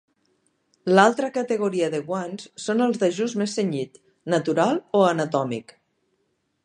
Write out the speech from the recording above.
L'altra categoria de guants són els d'ajust més cenyit, natural o anatòmic.